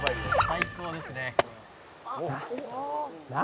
「最高ですね」